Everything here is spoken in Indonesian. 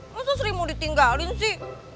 masa sering mau ditinggalin sih